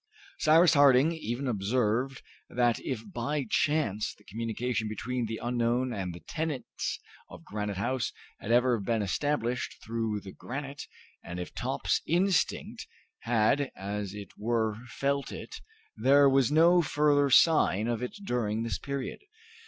Cyrus Harding even observed that if by chance the communication between the unknown and the tenants of Granite House had ever been established through the granite, and if Top's instinct had as it were felt it, there was no further sign of it during this period.